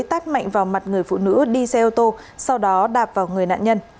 tát mạnh vào mặt người phụ nữ đi xe ô tô sau đó đạp vào người nạn nhân